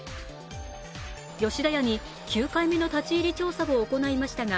吉田屋に９回目の立ち入り調査を行いましたが